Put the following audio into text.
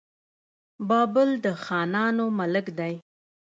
بابل د خانانو ملک دی.